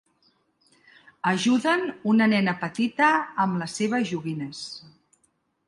Ajuden una nena petita amb les seves joguines.